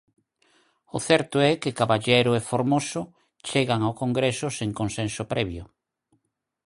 O certo é que Caballero e Formoso chegan ao congreso sen consenso previo.